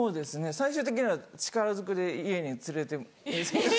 最終的には力ずくで家に連れて。